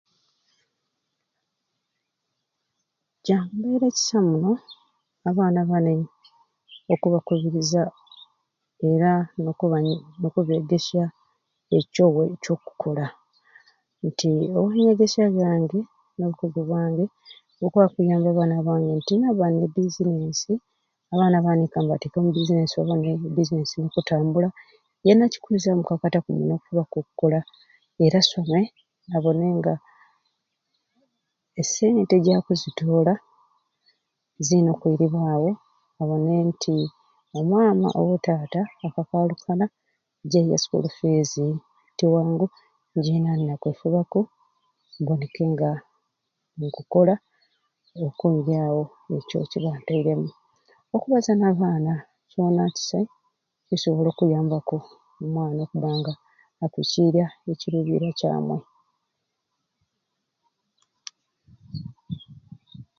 Kyakubaire kisai muno abaana bani okubakubiriiza era noku banyo nokubegesya ekyo we kyokukola nti omunyegesya yange nobukugu bwange bukwakuyamba abaana bange nti ninaba ne bizinensi abaana bani kambateke omu bizinensi babone e bizinensi nke bwekutambula yena kikwiiza mukakataaku muno okufubaku okola era asome abone nga esente jakuzitola ziyina okwiribwawo abone nti o mama oba o tata bakakalukana jebaya e sukulu fizi tiwangu njena nina kwefubaku mboneke nga nkukola okwiryawo ekyo kyeba ntairemu, okubaza nabaana kyona kisai kikusobola okuyambaku omwana okubanga akwiciirya ecirubirwa kyamwei.